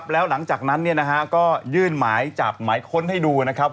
แล้วหลังจากนั้นก็ยื่นหมายจับหมายค้นให้ดูนะครับ